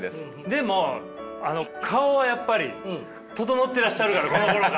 でも顔はやっぱり整ってらっしゃるからこのころから。